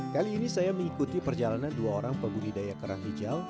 kali ini saya mengikuti perjalanan dua orang pembudidaya kerang hijau